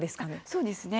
そうですね。